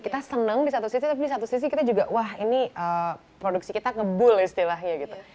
kita senang di satu sisi tapi di satu sisi kita juga wah ini produksi kita ngebull istilahnya gitu